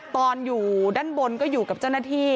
ตอนอยู่ด้านบนก็อยู่กับเจ้าหน้าที่